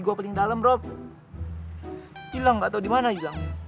gua paling dalam rob hilang gak tahu dimana juga